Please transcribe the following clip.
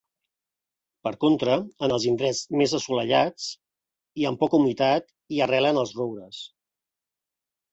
Per contra, en els indrets més assolellats i amb poca humitat, hi arrelen els roures.